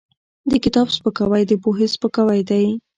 د کتاب سپکاوی د پوهې سپکاوی دی.